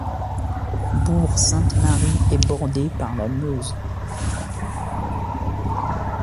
Bourg-Sainte-Marie est bordée par la Meuse.